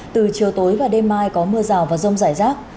từ chiều tối và đêm mai có mưa rào và rông rải rác